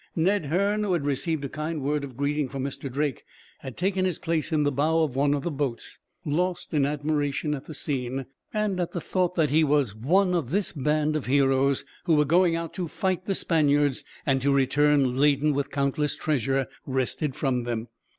Ned Hearne, who had received a kind word of greeting from Mr. Drake, had taken his place in the bow of one of the boats, lost in admiration at the scene; and at the thought that he was one of this band of heroes, who were going out to fight the Spaniards, and to return laden with countless treasure wrested from them.